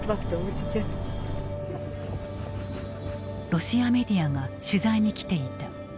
ロシアメディアが取材に来ていた。